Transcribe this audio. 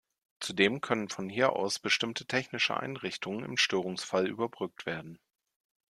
Zudem können von hier aus bestimmte technische Einrichtungen im Störungsfall überbrückt werden.